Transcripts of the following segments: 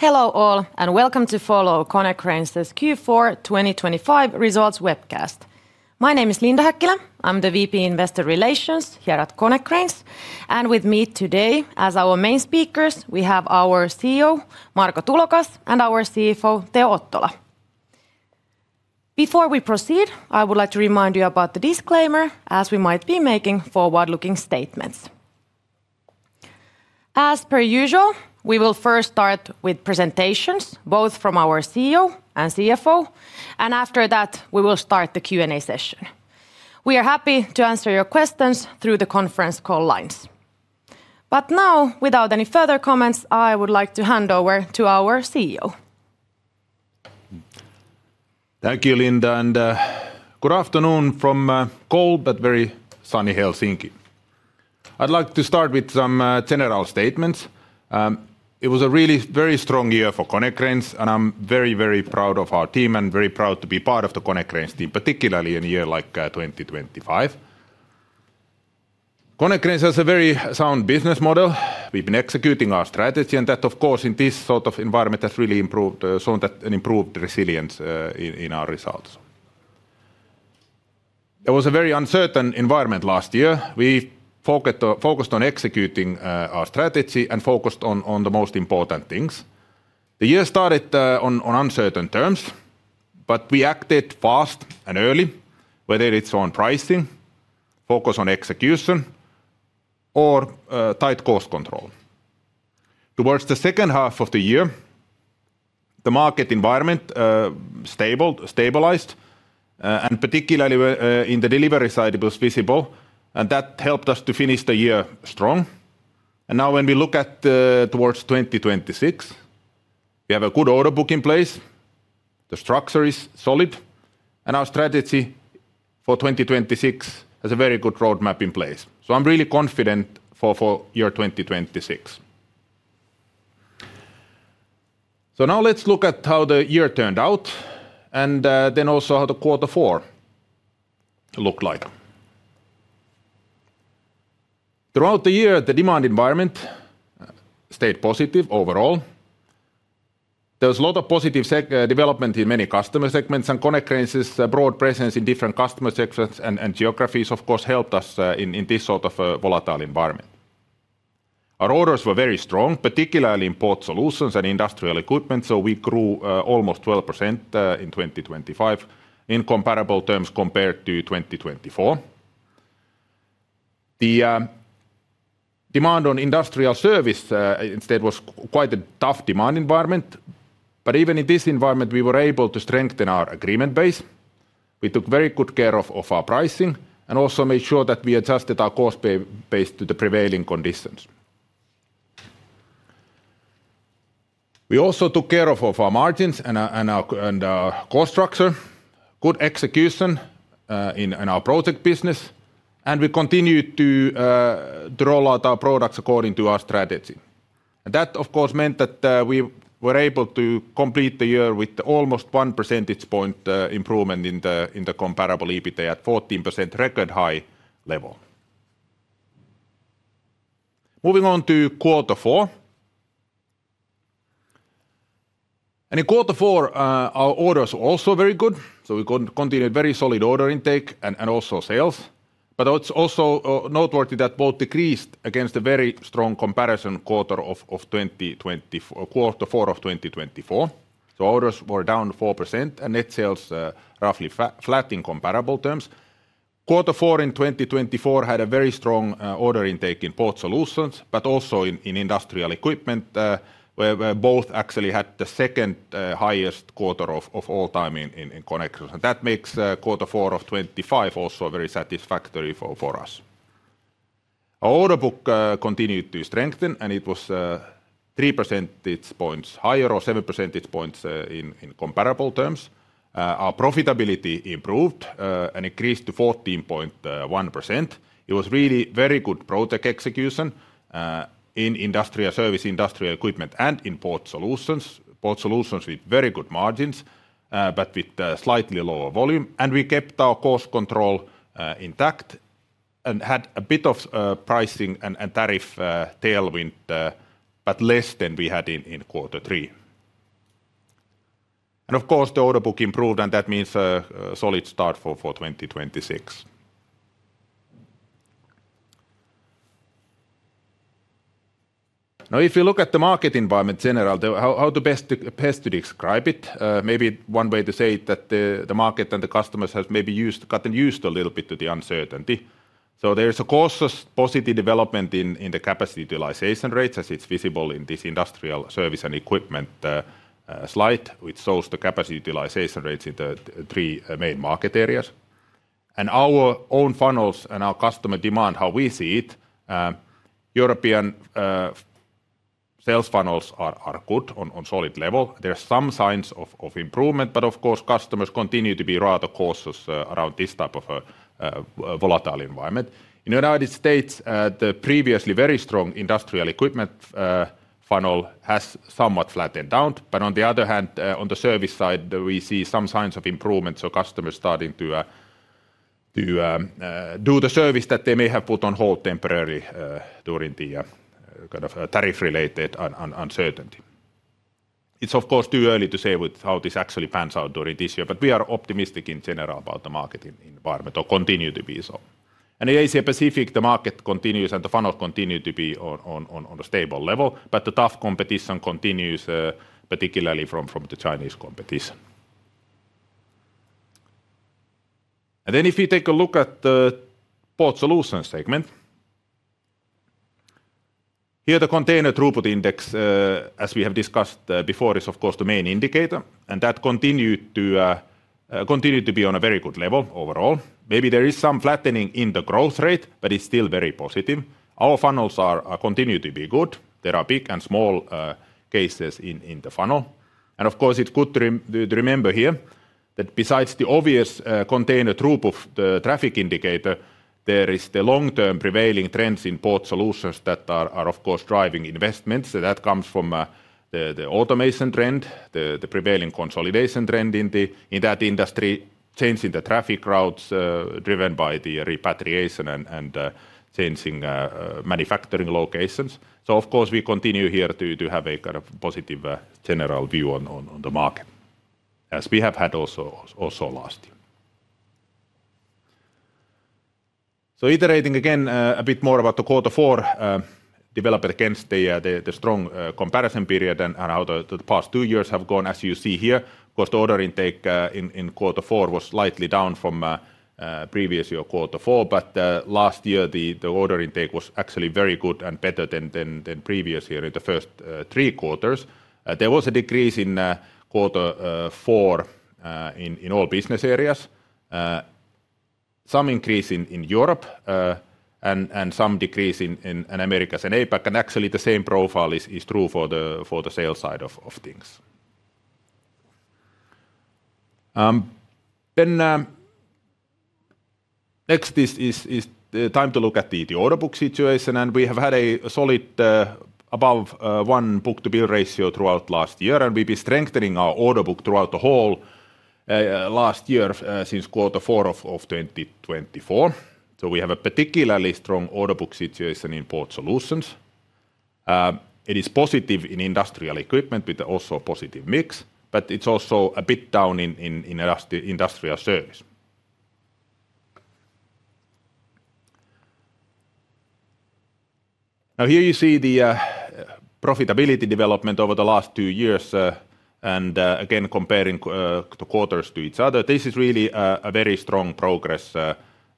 Hello, all, and welcome to follow Konecranes' Q4 2025 results webcast. My name is Linda Häkkilä. I'm the VP Investor Relations here at Konecranes, and with me today, as our main speakers, we have our CEO, Marko Tulokas, and our CFO, Teo Ottola. Before we proceed, I would like to remind you about the disclaimer, as we might be making forward-looking statements. As per usual, we will first start with presentations, both from our CEO and CFO, and after that, we will start the Q&A session. We are happy to answer your questions through the conference call lines. But now, without any further comments, I would like to hand over to our CEO. Thank you, Linda, and good afternoon from cold but very sunny Helsinki. I'd like to start with some general statements. It was a really very strong year for Konecranes, and I'm very, very proud of our team and very proud to be part of the Konecranes team, particularly in a year like 2025. Konecranes has a very sound business model. We've been executing our strategy, and that, of course, in this sort of environment, has really improved shown that an improved resilience in our results. It was a very uncertain environment last year. We focused on executing our strategy and focused on the most important things. The year started on uncertain terms, but we acted fast and early, whether it's on pricing, focus on execution, or tight cost control. Towards the second half of the year, the market environment stabilized, and particularly in the delivery side, it was visible, and that helped us to finish the year strong. Now when we look at towards 2026, we have a good order book in place, the structure is solid, and our strategy for 2026 has a very good roadmap in place. So I'm really confident for year 2026. So now let's look at how the year turned out, and then also how quarter four looked like. Throughout the year, the demand environment stayed positive overall. There was a lot of positive development in many customer segments, and Konecranes' broad presence in different customer segments and geographies, of course, helped us in this sort of a volatile environment. Our orders were very strong, particularly in Port Solutions and Industrial Equipment, so we grew almost 12% in 2025, in comparable terms compared to 2024. The demand on Industrial Service instead was quite a tough demand environment, but even in this environment, we were able to strengthen our agreement base. We took very good care of our pricing and also made sure that we adjusted our cost base to the prevailing conditions. We also took care of our margins and our cost structure, good execution in our project business, and we continued to roll out our products according to our strategy. That, of course, meant that we were able to complete the year with almost one percentage point improvement in the Comparable EBITA at 14%, record high level. Moving on to quarter four. In quarter four, our orders were also very good, so we continued very solid order intake and also sales. But it's also noteworthy that both decreased against a very strong comparison quarter four of 2024. So orders were down 4%, and net sales roughly flat in comparable terms. Quarter four in 2024 had a very strong order intake in Port Solutions, but also in Industrial Equipment, where both actually had the second highest quarter of all time in Konecranes, and that makes quarter four of 2025 also very satisfactory for us. Our order book continued to strengthen, and it was 3 percentage points higher or 7 percentage points in comparable terms. Our profitability improved and increased to 14.1%. It was really very good project execution in Industrial Service, Industrial Equipment, and in Port Solutions. Port Solutions with very good margins, but with a slightly lower volume, and we kept our cost control intact and had a bit of pricing and tariff tailwind, but less than we had in quarter three. And of course, the order book improved, and that means a solid start for 2026. Now, if you look at the market environment in general, the how to best describe it, maybe one way to say it, that the market and the customers have maybe gotten used a little bit to the uncertainty. So there is a cautious, positive development in the capacity utilization rates, as it's visible in this Industrial Service and Equipment slide, which shows the capacity utilization rates in the three main market areas. Our own funnels and our customer demand, how we see it, European sales funnels are good on solid level. There are some signs of improvement, but of course, customers continue to be rather cautious around this type of a volatile environment. In United States, the previously very strong industrial equipment funnel has somewhat flattened out, but on the other hand, on the service side, we see some signs of improvement, so customers starting to do the service that they may have put on hold temporarily during the kind of tariff-related uncertainty. It's of course too early to say with how this actually pans out during this year, but we are optimistic in general about the market environment, or continue to be so. And in Asia Pacific, the market continues and the funnels continue to be on a stable level, but the tough competition continues, particularly from the Chinese competition. And then if you take a look at the Port Solutions segment, here, the container throughput index, as we have discussed before, is of course the main indicator, and that continued to be on a very good level overall. Maybe there is some flattening in the growth rate, but it's still very positive. Our funnels are continuing to be good. There are big and small cases in the funnel. And of course, it's good to remember here, that besides the obvious container throughput traffic indicator, there is the long-term prevailing trends in Port Solutions that are of course driving investments. That comes from the automation trend, the prevailing consolidation trend in that industry, changing the traffic routes, driven by the repatriation and changing manufacturing locations. So of course, we continue here to have a kind of positive general view on the market, as we have had also last year. So iterating again, a bit more about the Quarter Four development against the strong comparison period and how the past two years have gone, as you see here. Of course, the order intake in Quarter Four was slightly down from previous year Quarter Four, but last year, the order intake was actually very good and better than previous year in the first three quarters. There was a decrease in Q4 in all business areas, some increase in Europe and some decrease in Americas and APAC, and actually the same profile is true for the sales side of things. This is the time to look at the order book situation, and we have had a solid above 1 book-to-bill ratio throughout last year, and we've been strengthening our order book throughout the whole last year since Q4 of 2024. So we have a particularly strong order book situation in Port Solutions. It is positive in Industrial Equipment, with also a positive mix, but it's also a bit down in Industrial Service. Now, here you see the profitability development over the last two years, and again, comparing the quarters to each other. This is really a very strong progress,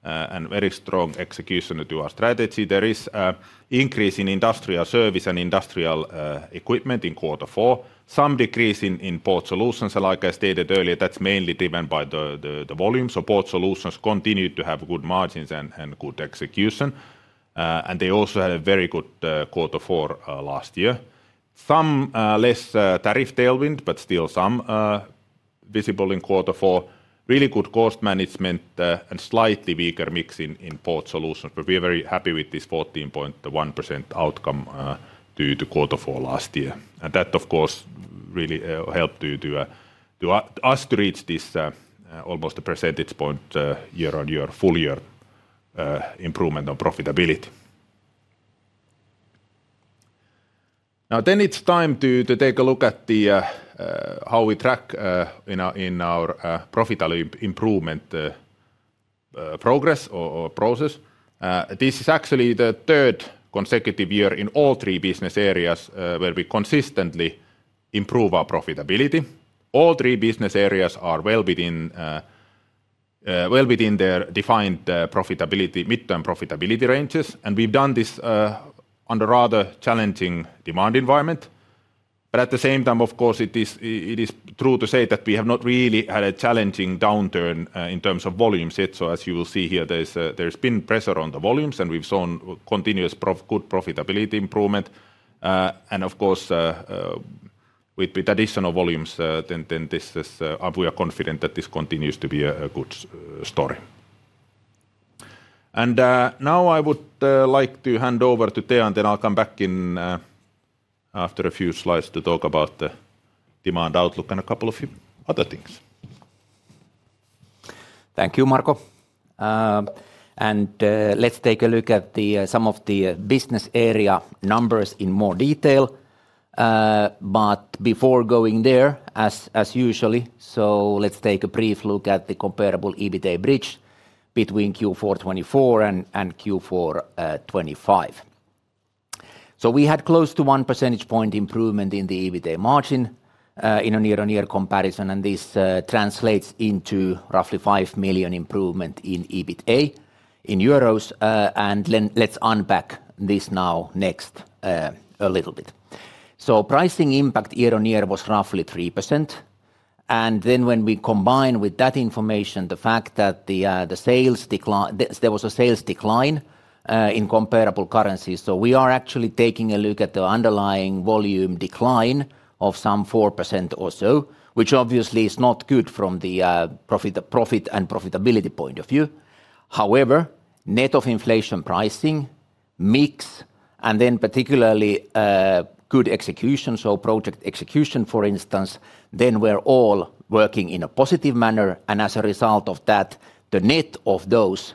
and very strong execution to our strategy. There is an increase in Industrial Service and Industrial Equipment in Quarter Four. Some decrease in Port Solutions, and like I stated earlier, that's mainly driven by the volume. So Port Solutions continued to have good margins and good execution, and they also had a very good Quarter Four last year. Some less tariff tailwind, but still some visible in Quarter Four. Really good cost management, and slightly weaker mix in Port Solutions, but we are very happy with this 14.1% outcome, due to Quarter Four last year. That, of course, really, helped us to reach this almost 1 percentage point year-on-year full-year improvement on profitability. Now it's time to take a look at how we track in our profitability improvement progress or process. This is actually the third consecutive year in all three business areas where we consistently improve our profitability. All three business areas are well within their defined profitability midterm profitability ranges, and we've done this on a rather challenging demand environment. But at the same time, of course, it is true to say that we have not really had a challenging downturn in terms of volumes yet. So as you will see here, there's been pressure on the volumes, and we've shown continuous good profitability improvement. And of course, with additional volumes, then this is, we are confident that this continues to be a good story. And now I would like to hand over to Teo, and then I'll come back in after a few slides to talk about the demand outlook and a couple of few other things. Thank you, Marko. And let's take a look at some of the business area numbers in more detail. But before going there, as usually, so let's take a brief look at the comparable EBITA bridge between Q4 2024 and Q4 2025. So we had close to one percentage point improvement in the EBITA margin in a year-on-year comparison, and this translates into roughly 5 million improvement in EBITA in euros. And let's unpack this now next, a little bit. So pricing impact year-on-year was roughly 3%, and then when we combine with that information, the fact that the sales decline. There was a sales decline in comparable currencies. So we are actually taking a look at the underlying volume decline of some 4% or so, which obviously is not good from the profit and profitability point of view. However, net of inflation pricing mix, and then particularly good execution, so project execution, for instance, then we're all working in a positive manner. And as a result of that, the net of those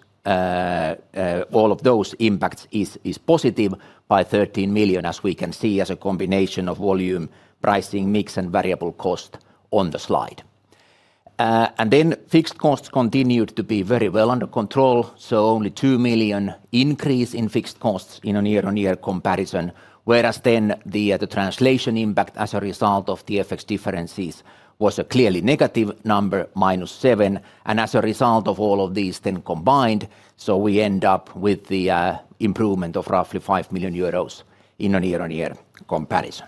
all of those impacts is positive by 13 million, as we can see as a combination of volume, pricing, mix, and variable cost on the slide. And then fixed costs continued to be very well under control, so only 2 million increase in fixed costs in a year-on-year comparison. Whereas then the translation impact as a result of the FX differences was a clearly negative number, -7, and as a result of all of these then combined, so we end up with the improvement of roughly 5 million euros in a year-on-year comparison.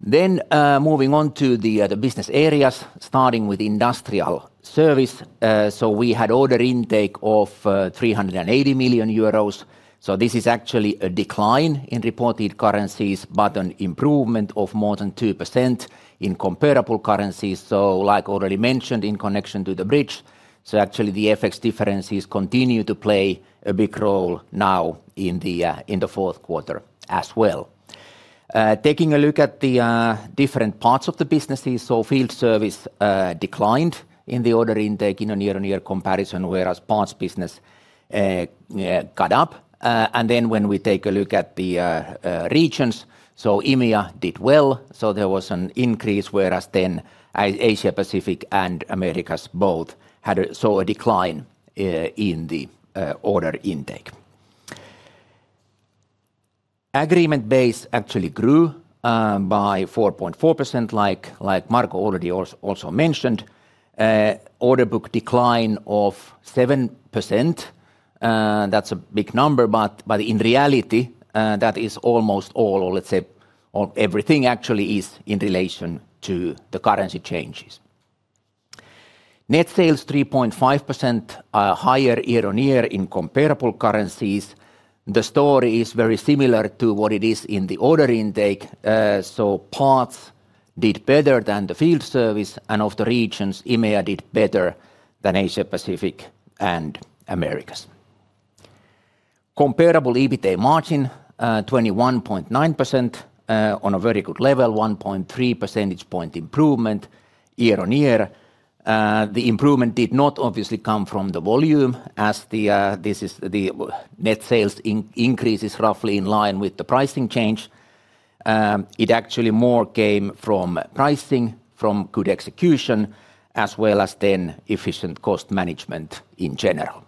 Then, moving on to the business areas, starting with Industrial Service. So we had order intake of 380 million euros, so this is actually a decline in reported currencies, but an improvement of more than 2% in comparable currencies. So like already mentioned in connection to the bridge, so actually, the FX differences continue to play a big role now in the fourth quarter as well. Taking a look at the different parts of the businesses, so Field Service declined in the order intake in a year-on-year comparison, whereas Parts business got up. And then when we take a look at the regions, so EMEA did well, so there was an increase, whereas then Asia Pacific and Americas both saw a decline in the order intake. Agreement base actually grew by 4.4%, like Marko already also mentioned. Order book decline of 7%. That's a big number, but in reality, that is almost all, or let's say, all everything actually is in relation to the currency changes. Net sales 3.5% higher year on year in comparable currencies. The story is very similar to what it is in the order intake, so parts did better than the Field Service, and of the regions, EMEA did better than Asia-Pacific and Americas. Comparable EBITA margin, 21.9%, on a very good level, 1.3 percentage point improvement year-on-year. The improvement did not obviously come from the volume, as the net sales increases roughly in line with the pricing change. It actually more came from pricing, from good execution, as well as then efficient cost management in general.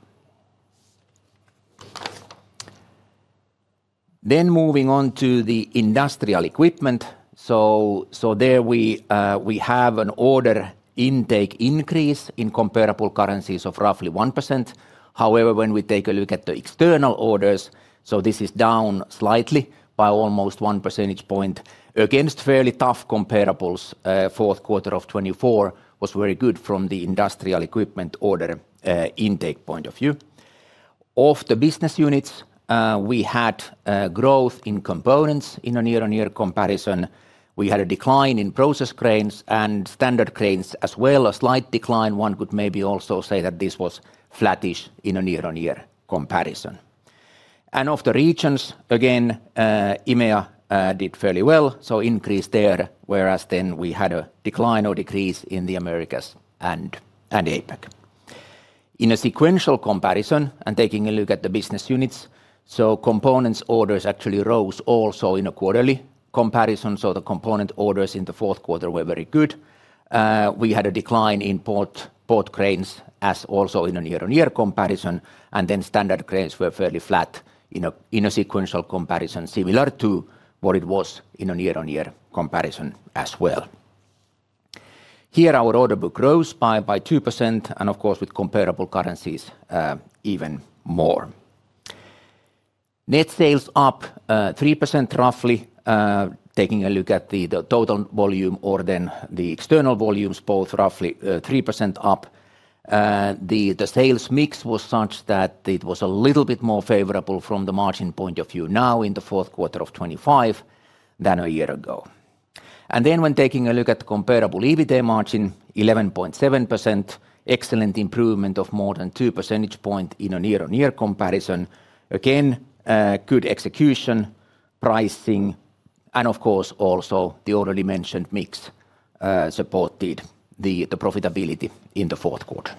Then moving on to the Industrial Equipment. So there we have an order intake increase in comparable currencies of roughly 1%. However, when we take a look at the external orders, so this is down slightly by almost 1 percentage point against fairly tough comparables. Fourth quarter of 2024 was very good from the Industrial Equipment order intake point of view. Of the business units, we had growth in components in a year-on-year comparison. We had a decline in Process Cranes and Standard Cranes, as well, a slight decline. One could maybe also say that this was flattish in a year-on-year comparison. Of the regions, again, EMEA did fairly well, so increase there, whereas then we had a decline or decrease in the Americas and APAC. In a sequential comparison, and taking a look at the business units, so Components orders actually rose also in a quarterly comparison, so the Components orders in the fourth quarter were very good. We had a decline in Port Cranes, as also in a year-on-year comparison, and then Standard Cranes were fairly flat in a sequential comparison, similar to what it was in a year-on-year comparison as well. Here, our order book grows by 2%, and of course, with comparable currencies, even more. Net sales up 3%, roughly, taking a look at the total volume or then the external volumes, both roughly 3% up. The sales mix was such that it was a little bit more favorable from the margin point of view now in the fourth quarter of 2025 than a year ago. And then when taking a look at the Comparable EBITA margin, 11.7%, excellent improvement of more than two percentage points in a year-on-year comparison. Again, good execution, pricing, and of course, also the already mentioned mix, supported the profitability in the fourth quarter.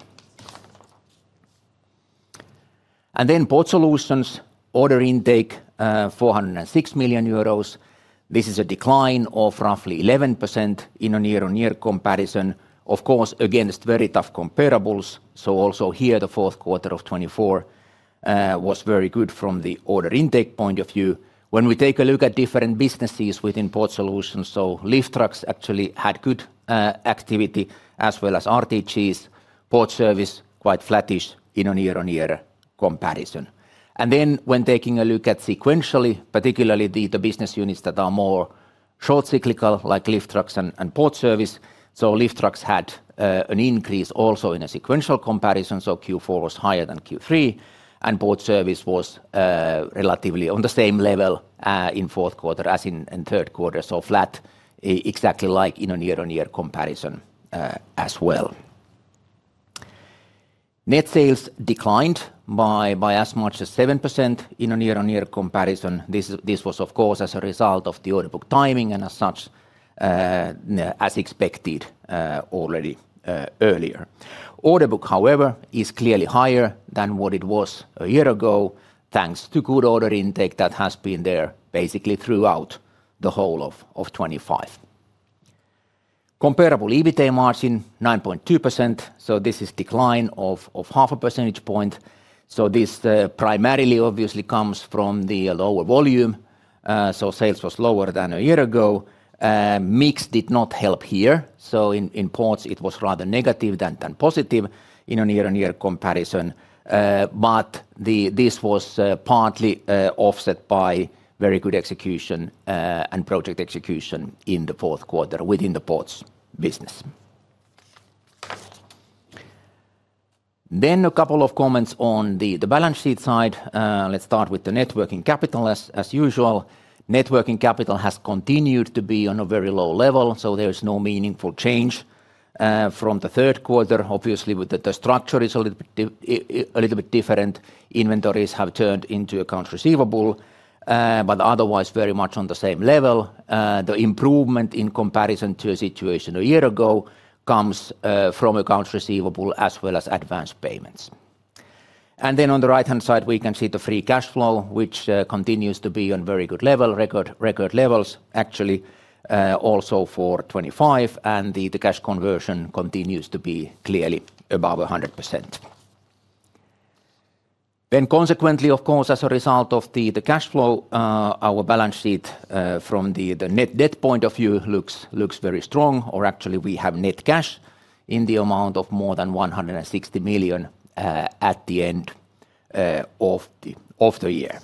Port Solutions order intake, 406 million euros. This is a decline of roughly 11% in a year-on-year comparison, of course, against very tough comparables, so also here, the fourth quarter of 2024 was very good from the order intake point of view. When we take a look at different businesses within Port Solutions, Lift Trucks actually had good activity, as well as RTGs. Port Services, quite flattish in a year-on-year comparison. Then when taking a look at sequentially, particularly the business units that are more short cyclical, like Lift Trucks and Port Services, so Lift Trucks had an increase also in a sequential comparison, so Q4 was higher than Q3, and Port Services was relatively on the same level in fourth quarter as in third quarter. So flat, exactly like in a year-on-year comparison as well. Net sales declined by as much as 7% in a year-on-year comparison. This was, of course, as a result of the order book timing, and as such, as expected already earlier. Order book, however, is clearly higher than what it was a year ago, thanks to good order intake that has been there basically throughout the whole of 2025. Comparable EBITA margin 9.2%, so this is a decline of half a percentage point. So this primarily obviously comes from the lower volume, so sales was lower than a year ago. Mix did not help here, so in ports, it was rather negative than positive in a year-on-year comparison. But this was partly offset by very good execution and project execution in the fourth quarter within the ports business. Then a couple of comments on the balance sheet side. Let's start with the net working capital as usual. Net working capital has continued to be on a very low level, so there is no meaningful change from the third quarter. Obviously, with the structure is a little bit different. Inventories have turned into accounts receivable, but otherwise, very much on the same level. The improvement in comparison to a situation a year ago comes from accounts receivable as well as advance payments. Then on the right-hand side, we can see the free cash flow, which continues to be on very good level, record, record levels, actually, also for 2025, and the cash conversion continues to be clearly above 100%. Then consequently, of course, as a result of the cash flow, our balance sheet from the net-debt point of view looks, looks very strong, or actually, we have net cash in the amount of more than 160 million at the end of the year.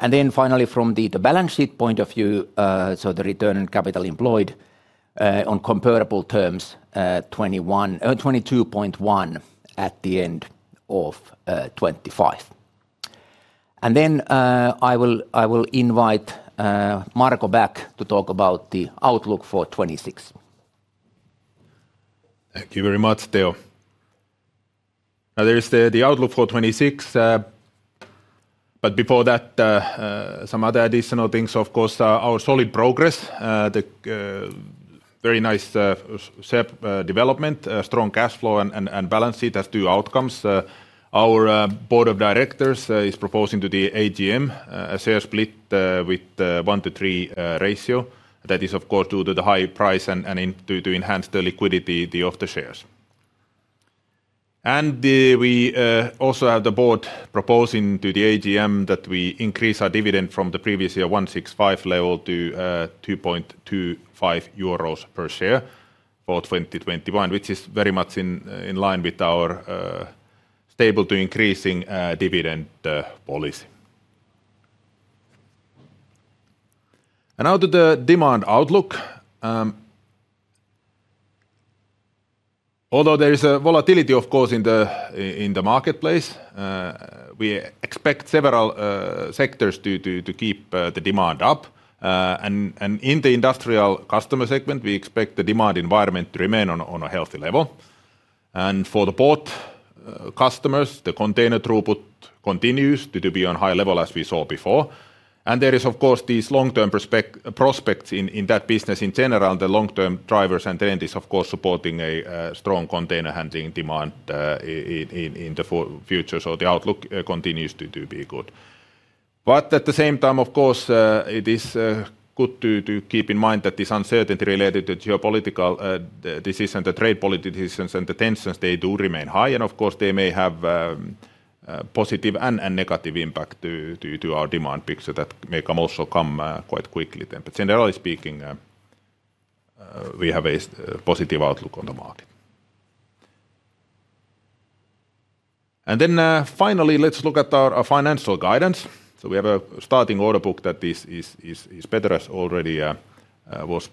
Then finally, from the balance sheet point of view, so the Return on Capital Employed on comparable terms, 21, 22.1 at the end of 2025. Then, I will invite Marko back to talk about the outlook for 2026. Thank you very much, Teo. Now, there is the outlook for 2026, but before that, some other additional things, of course, our solid progress, the very nice separate development, strong cash flow, and balance sheet has two outcomes. Our board of directors is proposing to the AGM a share split with a 1-to-3 ratio. That is, of course, due to the high price and in order to enhance the liquidity of the shares. And we also have the board proposing to the AGM that we increase our dividend from the previous year 1.65 level to 2.25 euros per share for 2021, which is very much in line with our stable to increasing dividend policy. Now to the demand outlook. Although there is a volatility, of course, in the marketplace, we expect several sectors to keep the demand up. In the industrial customer segment, we expect the demand environment to remain on a healthy level. For the port customers, the container throughput continues to be on high level, as we saw before. There is, of course, these long-term prospects in that business in general, the long-term drivers and trends is, of course, supporting a strong container-handling demand in the future, so the outlook continues to be good. But at the same time, of course, it is good to keep in mind that this uncertainty related to geopolitical decisions, the trade policy decisions, and the tensions, they do remain high, and of course, they may have positive and negative impact to our demand picture that may also come quite quickly then. But generally speaking, we have a positive outlook on the market. And then finally, let's look at our financial guidance. So we have a starting order book that this is better as already was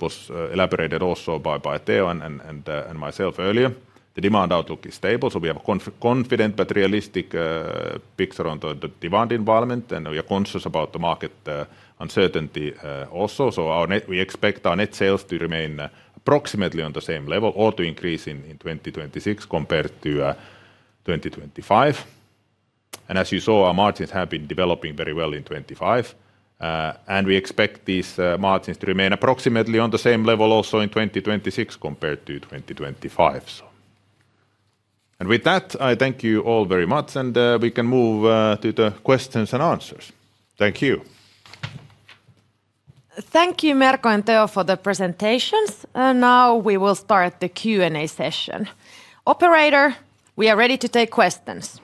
elaborated also by Teo and myself earlier. The demand outlook is stable, so we have a confident but realistic picture on the demand environment, and we are conscious about the market uncertainty also. So we expect our net sales to remain approximately on the same level or to increase in 2026 compared to 2025. And as you saw, our margins have been developing very well in 2025, and we expect these margins to remain approximately on the same level also in 2026 compared to 2025, so. And with that, I thank you all very much, and we can move to the questions and answers. Thank you. Thank you, Marko and Teo, for the presentations, and now we will start the Q&A session. Operator, we are ready to take questions.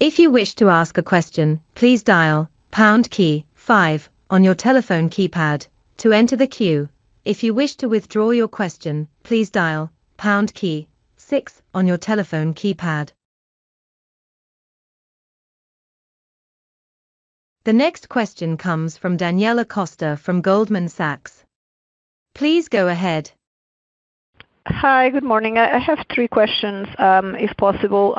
If you wish to ask a question, please dial pound key five on your telephone keypad to enter the queue. If you wish to withdraw your question, please dial pound key six on your telephone keypad…. The next question comes from Daniela Costa from Goldman Sachs. Please go ahead. Hi, good morning. I have three questions, if possible.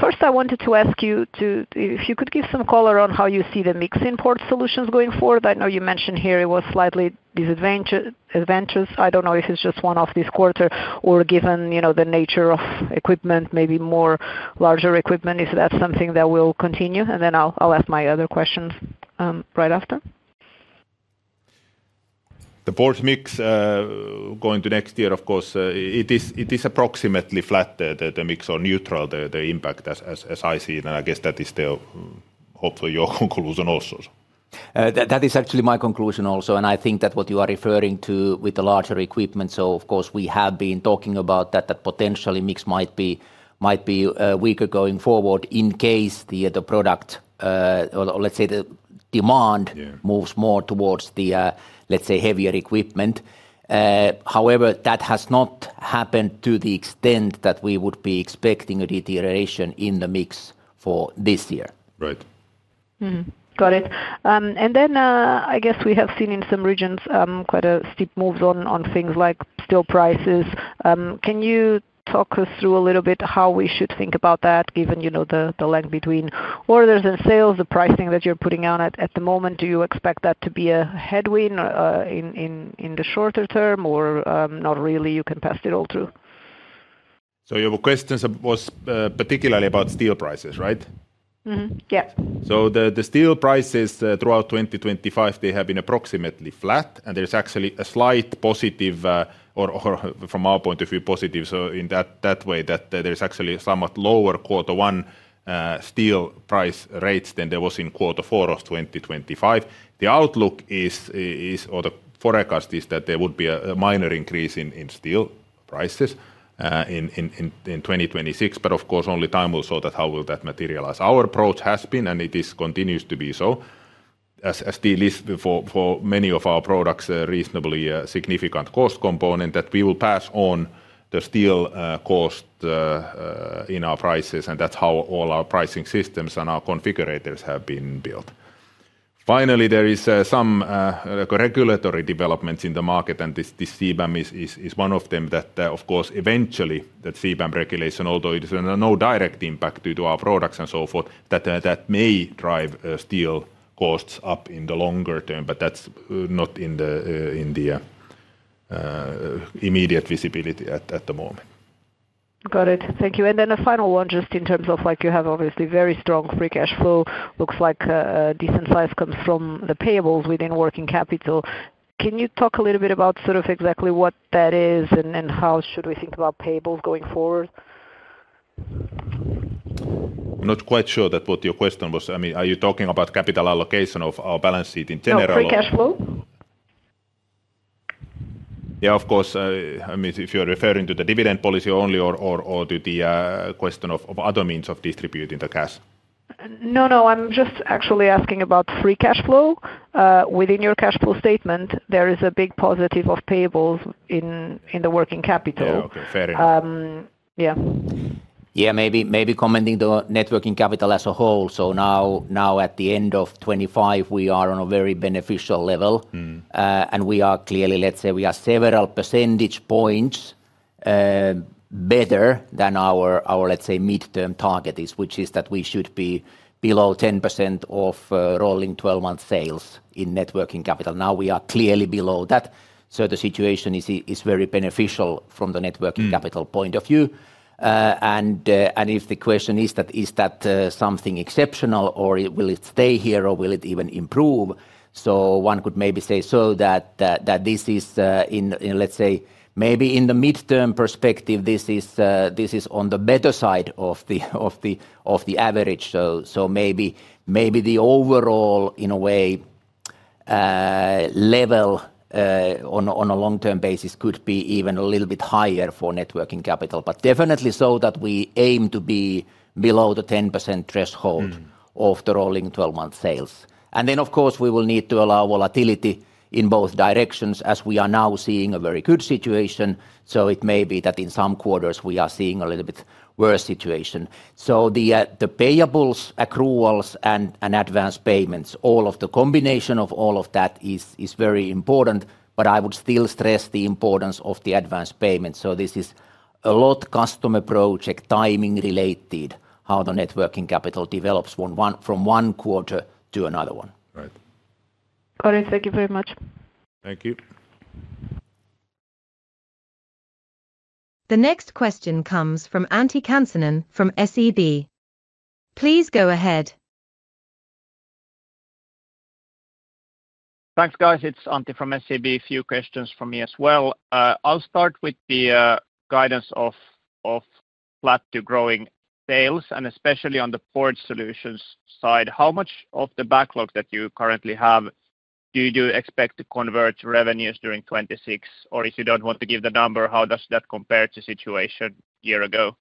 First, I wanted to ask you if you could give some color on how you see the mix in Port Solutions going forward. I know you mentioned here it was slightly disadvantageous. I don't know if it's just one-off this quarter or given, you know, the nature of equipment, maybe more larger equipment. Is that something that will continue? And then I'll ask my other questions right after. The port mix going to next year, of course, it is approximately flat, the mix or neutral, the impact as I see it, and I guess that is still hopefully your conclusion also. That is actually my conclusion also, and I think that what you are referring to with the larger equipment, so of course, we have been talking about that the potentially mix might be weaker going forward in case the product or let's say the demand- Yeah -moves more toward the, let's say, heavier equipment. However, that has not happened to the extent that we would be expecting a deterioration in the mix for this year. Right. Mm-hmm. Got it. And then, I guess we have seen in some regions quite steep moves on things like steel prices. Can you talk us through a little bit how we should think about that, given you know the lag between orders and sales, the pricing that you're putting out at the moment? Do you expect that to be a headwind in the shorter term or not really, you can pass it all through? Your question was, particularly about steel prices, right? Mm-hmm. Yeah. So the steel prices throughout 2025, they have been approximately flat, and there's actually a slight positive, or from our point of view, positive. So in that way, that there's actually somewhat lower quarter one steel price rates than there was in quarter four of 2025. The outlook is, or the forecast is that there would be a minor increase in steel prices in 2026, but of course, only time will show how that will materialize. Our approach has been, and it continues to be so, as steel is for many of our products a reasonably significant cost component, that we will pass on the steel cost in our prices, and that's how all our pricing systems and our configurators have been built. Finally, there is some regulatory developments in the market, and this CBAM is one of them that, of course, eventually that CBAM regulation, although it is no direct impact due to our products and so forth, that may drive steel costs up in the longer term, but that's not in the immediate visibility at the moment. Got it. Thank you. And then a final one, just in terms of like you have obviously very strong free cash flow. Looks like a decent size comes from the payables within working capital. Can you talk a little bit about sort of exactly what that is and how should we think about payables going forward? Not quite sure what your question was. I mean, are you talking about capital allocation of our balance sheet in general? No, free cash flow. Yeah, of course. I mean, if you're referring to the dividend policy only or to the question of other means of distributing the cash. No, no, I'm just actually asking about free cash flow. Within your cash flow statement, there is a big positive of payables in the working capital. Yeah, okay. Fair enough. Um, yeah. Yeah, maybe, maybe commenting the net working capital as a whole. So now, at the end of 2025, we are on a very beneficial level. Mm. And we are clearly, let's say, we are several percentage points better than our, let's say, midterm target is, which is that we should be below 10% of rolling 12-month sales in net working capital. Now, we are clearly below that, so the situation is very beneficial from the net working capital. Mm Capital point of view. And if the question is that, is that something exceptional or will it stay here or will it even improve? So one could maybe say so that this is, in, let's say, maybe in the midterm perspective, this is, this is on the better side of the average. So maybe, maybe the overall, in a way, level, on a long-term basis could be even a little bit higher for net working capital, but definitely so that we aim to be below the 10% threshold- Mm -of the rolling twelve-month sales. And then, of course, we will need to allow volatility in both directions, as we are now seeing a very good situation. So it may be that in some quarters we are seeing a little bit worse situation. So the payables, accruals, and advance payments, all of the combination of all of that is very important, but I would still stress the importance of the advance payment. So this is a lot customer project, timing related, how the net working capital develops from one quarter to another one. Right. Got it. Thank you very much. Thank you. The next question comes from Antti Kansanen from SEB. Please go ahead. Thanks, guys. It's Antti from SEB. Few questions from me as well. I'll start with the guidance of flat to growing sales, and especially on the Port Solutions side. How much of the backlog that you currently have do you expect to convert to revenues during 2026? Or if you don't want to give the number, how does that compare to situation year ago?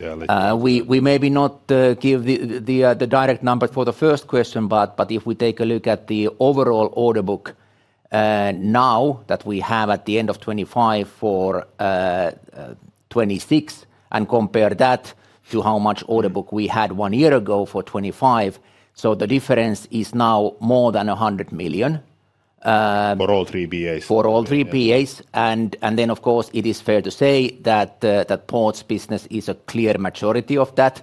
Yeah, let- We maybe not give the direct number for the first question, but if we take a look at the overall order book now that we have at the end of 2025 for 2026, and compare that to how much order book we had one year ago for 2025. So the difference is now more than 100 million. For all three BAs. For all three BAs. And then, of course, it is fair to say that that ports business is a clear majority of that,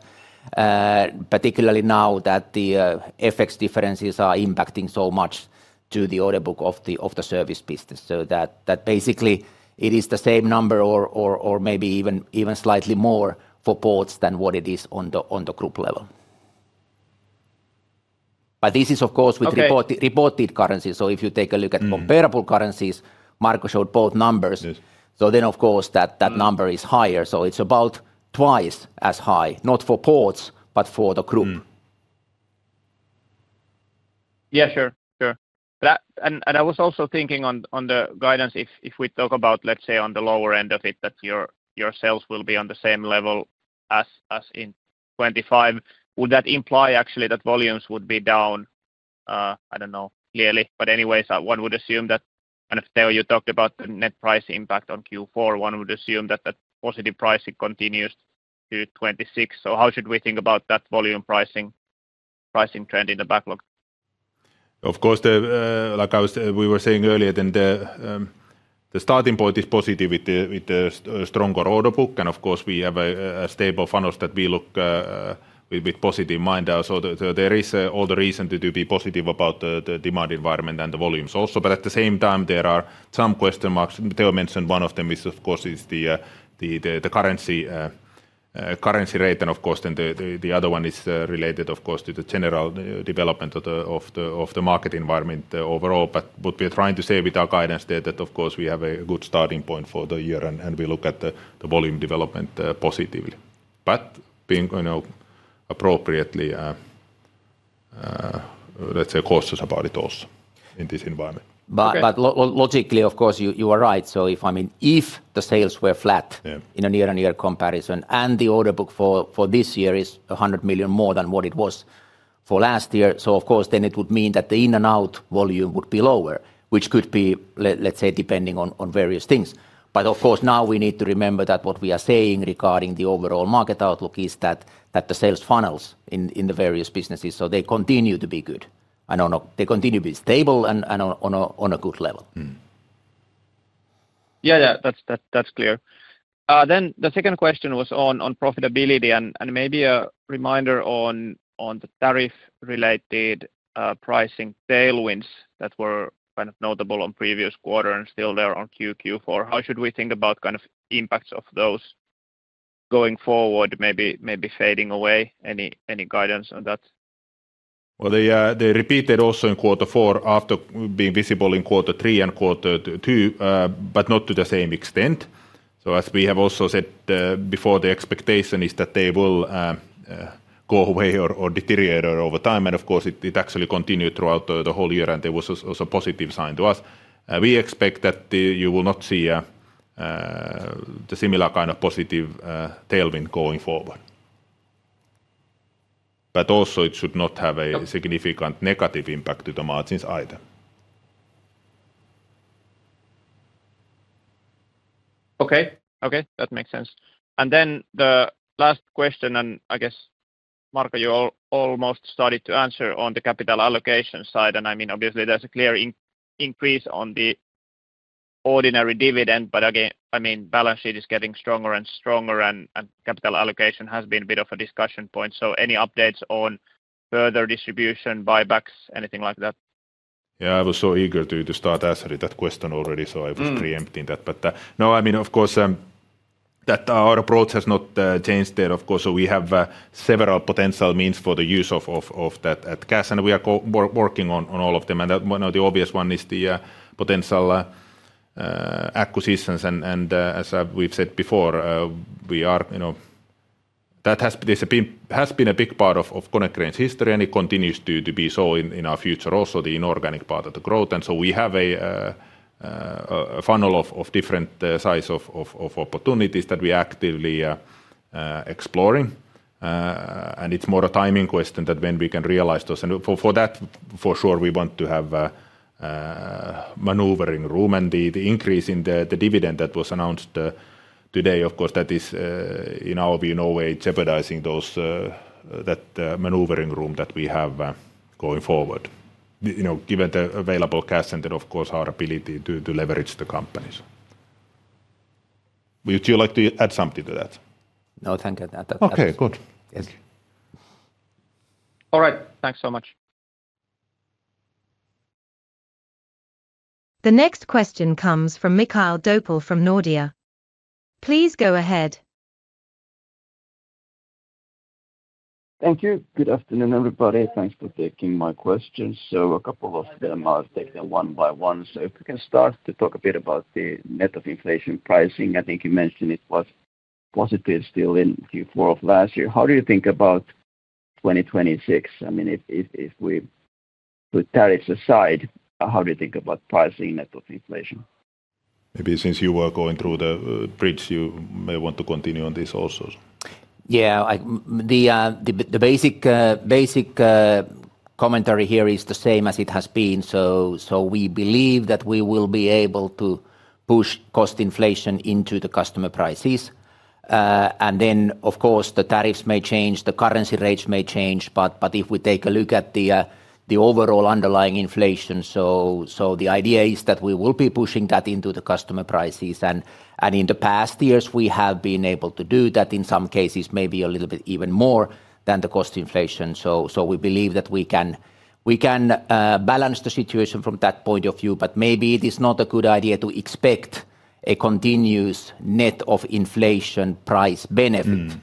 particularly now that the FX differences are impacting so much to the order book of the service business. So that basically it is the same number or maybe even slightly more for ports than what it is on the group level. But this is of course- Okay - with reported currencies. So if you take a look at- Mm .-comparable currencies, Marko showed both numbers. Yes. So then of course, that, that number is higher, so it's about twice as high, not for ports, but for the group. Mm. Yeah, sure, sure. And I was also thinking on the guidance, if we talk about, let's say, on the lower end of it, that your sales will be on the same level as in 2025. Would that imply actually that volumes would be down? I don't know, clearly, but anyways, one would assume that, and if Teo, you talked about the net price impact on Q4, one would assume that the positive pricing continues to 2026. So how should we think about that volume pricing, pricing trend in the backlog? Of course, like I was, we were saying earlier, then the starting point is positive with the stronger order book. And of course, we have a stable funnels that we look with positive mind. So there is all the reason to be positive about the demand environment and the volumes also, but at the same time, there are some question marks. Teo mentioned one of them is, of course, the currency rate. And of course, then the other one is related, of course, to the general development of the market environment overall. But what we are trying to say with our guidance there, that of course, we have a good starting point for the year, and we look at the volume development positively. But being, you know, appropriately, let's say, cautious about it also in this environment. Okay. But logically, of course, you are right. So if, I mean, if the sales were flat- Yeah -in a year-on-year comparison, and the order book for this year is 100 million more than what it was for last year, so of course, then it would mean that the in and out volume would be lower, which could be, let's say, depending on various things. But of course, now we need to remember that what we are saying regarding the overall market outlook is that the sales funnels in the various businesses, so they continue to be good, and they continue to be stable and on a good level. Mm. Yeah, yeah, that's clear. Then the second question was on profitability and maybe a reminder on the tariff-related pricing tailwinds that were kind of notable on previous quarter and still there on Q4. How should we think about kind of impacts of those going forward, maybe fading away? Any guidance on that? Well, they repeated also in quarter four after being visible in quarter three and quarter two, but not to the same extent. So as we have also said before, the expectation is that they will go away or deteriorate over time, and of course, it actually continued throughout the whole year, and there was also a positive sign to us. We expect that you will not see the similar kind of positive tailwind going forward. But also, it should not have a- Yeah -significant negative impact to the margins either. Okay. Okay, that makes sense. And then the last question, and I guess, Marko, you almost started to answer on the capital allocation side, and I mean, obviously, there's a clear increase on the ordinary dividend, but again, I mean, balance sheet is getting stronger and stronger, and capital allocation has been a bit of a discussion point. So any updates on further distribution, buybacks, anything like that? Yeah, I was so eager to start answering that question already. Mm So I was preempting that. But, no, I mean, of course, that our approach has not changed there, of course. So we have several potential means for the use of that cash, and we are working on all of them. And the, you know, the obvious one is the potential acquisitions, and, as we've said before, we are, you know. That has been a big part of Konecranes' history, and it continues to be so in our future, also the inorganic part of the growth. And so we have a funnel of different sized opportunities that we're actively exploring, and it's more a timing question than when we can realize those. For that, for sure, we want to have maneuvering room, and the increase in the dividend that was announced today, of course, that is, in our view, no way jeopardizing that maneuvering room that we have going forward. You know, given the available cash and then, of course, our ability to leverage the companies. Would you like to add something to that? No, thank you. Okay, good. Yes. Thank you. All right. Thanks so much. The next question comes from Mikael Doepel from Nordea. Please go ahead. Thank you. Good afternoon, everybody. Thanks for taking my questions. So a couple of them, I'll take them one by one. So if you can start to talk a bit about the net of inflation pricing. I think you mentioned it was positive still in Q4 of last year. How do you think about 2026? I mean, if we put tariffs aside, how do you think about pricing net of inflation? Maybe since you were going through the bridge, you may want to continue on this also. Yeah, the basic commentary here is the same as it has been. So, we believe that we will be able to push cost inflation into the customer prices. And then, of course, the tariffs may change, the currency rates may change, but if we take a look at the overall underlying inflation, so the idea is that we will be pushing that into the customer prices, and in the past years we have been able to do that, in some cases, maybe a little bit even more than the cost inflation. So, we believe that we can balance the situation from that point of view. But maybe it is not a good idea to expect a continuous net of inflation price benefit- Mm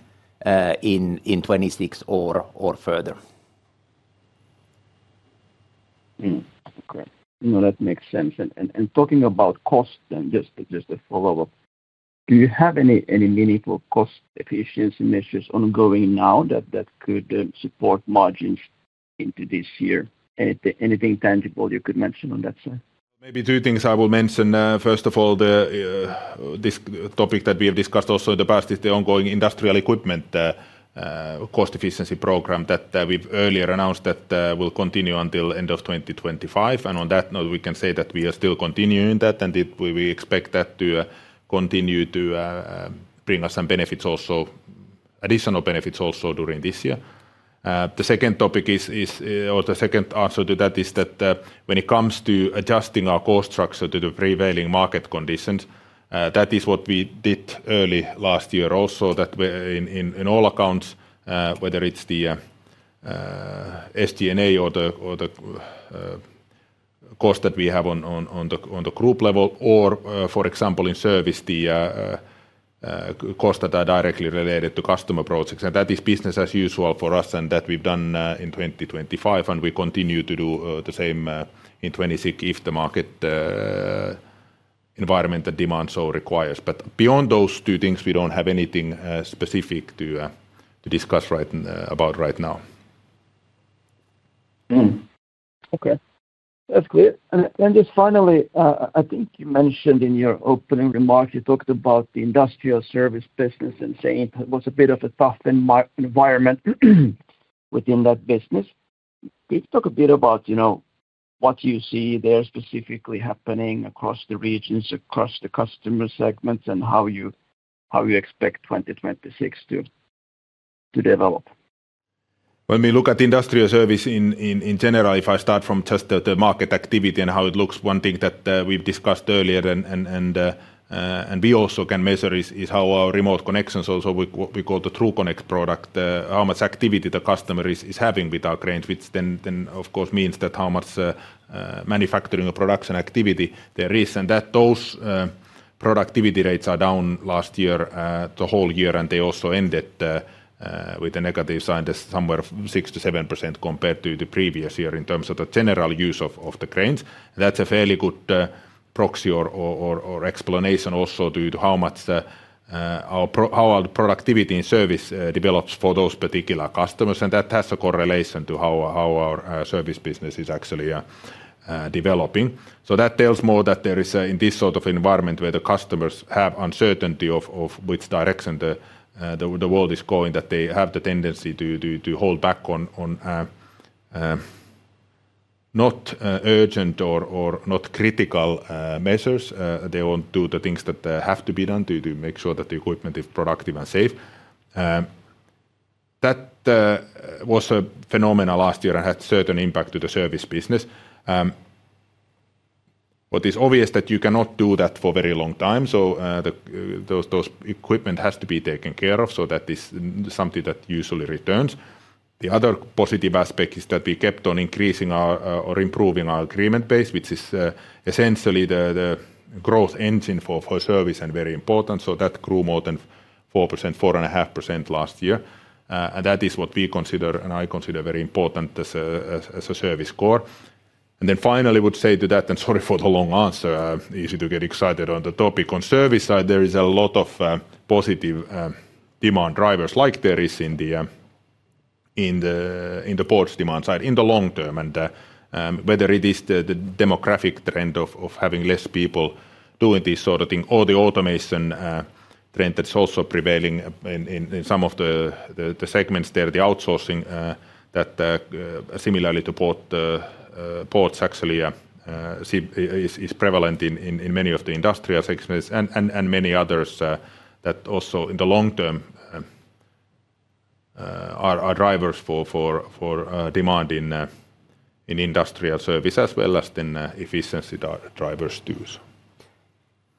-in 2026 or further. Okay. No, that makes sense. And talking about cost, then, just a follow-up, do you have any meaningful cost efficiency measures ongoing now that could support margins into this year? Anything tangible you could mention on that side? Maybe two things I will mention. First of all, this topic that we have discussed also in the past is the ongoing industrial equipment cost efficiency program that we've earlier announced that will continue until end of 2025. And on that note, we can say that we are still continuing that, and we expect that to continue to bring us some benefits also, additional benefits also during this year. The second topic is, or the second answer to that is that, when it comes to adjusting our cost structure to the prevailing market conditions, that is what we did early last year also, that in all accounts, whether it's the SG&A or the cost that we have on the group level, or, for example, in service, the costs that are directly related to customer projects. And that is business as usual for us, and that we've done in 2025, and we continue to do the same in 2026, if the market environment and demand so requires. But beyond those two things, we don't have anything specific to discuss right now. Okay, that's clear. And just finally, I think you mentioned in your opening remarks, you talked about the industrial service business and saying it was a bit of a tough environment within that business. Can you talk a bit about, you know, what you see there specifically happening across the regions, across the customer segments, and how you expect 2026 to develop? When we look at Industrial Service in general, if I start from just the market activity and how it looks, one thing that we've discussed earlier and we also can measure is how our remote connections, also with what we call the TRUCONNECT product, how much activity the customer is having with our cranes, which then, of course, means that how much manufacturing or production activity there is. And that those productivity rates are down last year, the whole year, and they also ended with a negative sign, that's somewhere 6%-7% compared to the previous year in terms of the general use of the cranes. That's a fairly good proxy or explanation also due to how much our productivity and service develops for those particular customers, and that has a correlation to how our service business is actually developing. So that tells more that there is, in this sort of environment, where the customers have uncertainty of which direction the world is going, that they have the tendency to hold back on not urgent or not critical measures. They won't do the things that have to be done to make sure that the equipment is productive and safe. That was a phenomenon last year and had certain impact to the service business. What is obvious that you cannot do that for very long time, so, the those equipment has to be taken care of, so that is something that usually returns. The other positive aspect is that we kept on increasing our, or improving our agreement base, which is, essentially the growth engine for service and very important. So that grew more than 4%, 4.5% last year. And that is what we consider, and I consider, very important as a service core. And then finally, I would say to that, and sorry for the long answer, easy to get excited on the topic. On service side, there is a lot of positive demand drivers, like there is in the ports demand side, in the long term. Whether it is the demographic trend of having less people doing this sort of thing, or the automation trend that's also prevailing in some of the segments there. The outsourcing that similarly to ports actually is prevalent in many of the industrial segments and many others that also in the long term are drivers for demand in industrial service, as well as then efficiency drivers too, so.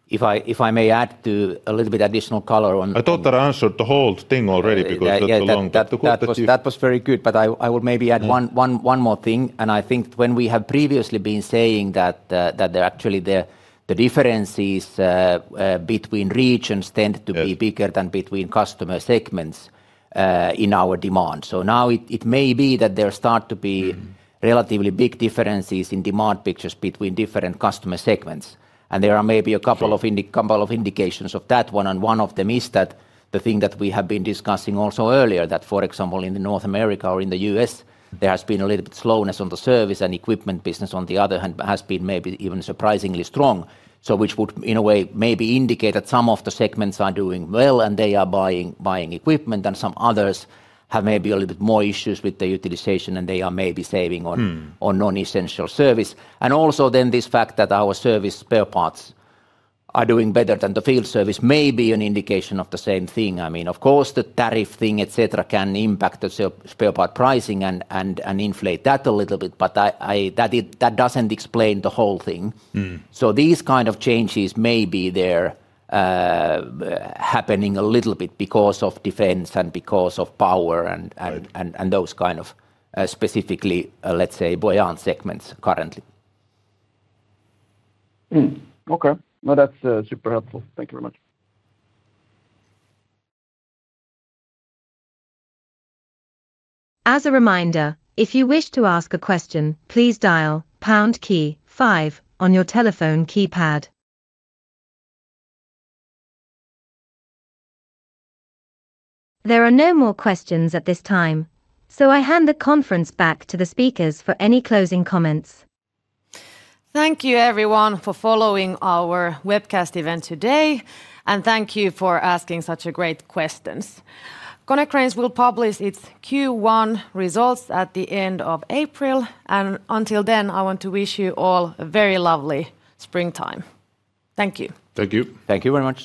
If I may add a little bit additional color on- I thought that answered the whole thing already because that's a long- Yeah, yeah. That took- That was very good, but I would maybe add one- Yeah - one more thing. And I think when we have previously been saying that actually the differences between regions tend to be- Yeah - bigger than between customer segments in our demand. So now it may be that there start to be relatively big differences in demand pictures between different customer segments, and there are maybe a couple of- Sure -couple of indications of that. One, and one of them is that the thing that we have been discussing also earlier, that, for example, in the North America or in the US, there has been a little bit slowness on the service and equipment business on the other hand, but has been maybe even surprisingly strong. So which would, in a way, maybe indicate that some of the segments are doing well, and they are buying, buying equipment, and some others have maybe a little bit more issues with the utilization, and they are maybe saving on- Mm -on non-essential service. Also then this fact that our service spare parts are doing better than the Field Service may be an indication of the same thing. I mean, of course, the tariff thing, et cetera, can impact the spare part pricing and inflate that a little bit, but I, that doesn't explain the whole thing. Mm. So these kind of changes may be there, happening a little bit because of defense and because of power and- Right -and those kind of, specifically, let's say, buoyant segments currently. Mm. Okay. No, that's super helpful. Thank you very much. As a reminder, if you wish to ask a question, please dial pound key five on your telephone keypad. There are no more questions at this time, so I hand the conference back to the speakers for any closing comments. Thank you, everyone, for following our webcast event today, and thank you for asking such a great question. Konecranes will publish its Q1 results at the end of April, and until then, I want to wish you all a very lovely springtime. Thank you. Thank you. Thank you very much.